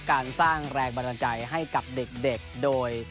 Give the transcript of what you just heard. การสร้างแรงบันดาลใจให้กับเด็กโดย